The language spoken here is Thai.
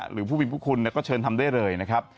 หรือผู้มีพระคุณก็เชิญทำได้เลยนะครับ